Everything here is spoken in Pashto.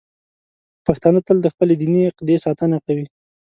پښتانه تل د خپلې دیني عقیدې ساتنه کوي.